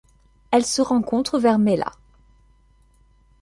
Elle se rencontre vers Mella.